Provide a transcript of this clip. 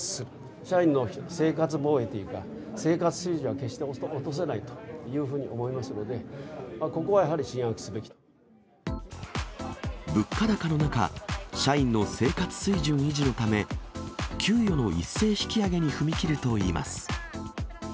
社員の生活防衛というか、生活水準は決して落とせないというふうに思いますので、ここはや物価高の中、社員の生活水準維持のため、給与の一斉引き上げに踏み切るといいます。